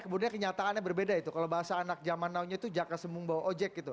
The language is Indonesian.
kemudian kenyataannya berbeda itu kalau bahasa anak zaman now nya itu jaka sembung bawa ojek gitu